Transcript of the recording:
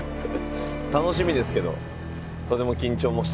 楽しみですけどとても緊張もしてますし。